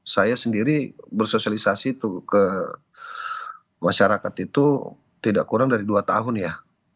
saya sendiri bersosialisasi itu ke masyarakat itu tidak kurang dari dua tahun ya